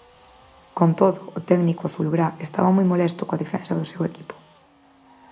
Con todo, o técnico azulgrá estaba moi molesto coa defensa do seu equipo.